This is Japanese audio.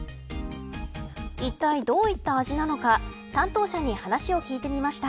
いったいどういった味なのか担当者に話を聞いてみました。